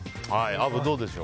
アブ、どうでしょう？